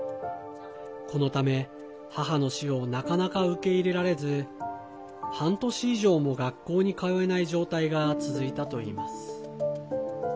このため母の死をなかなか受け入れられず半年以上も学校に通えない状態が続いたといいます。